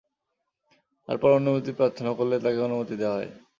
তারপর অনুমতি প্রার্থনা করলে তাকে অনুমতি দেয়া হয়।